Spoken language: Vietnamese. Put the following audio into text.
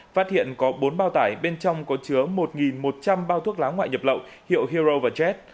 phát hiện có bốn bao tải bên trong có chứa một một trăm linh bao thuốc lá ngoại nhập lậu hiệu hero và jet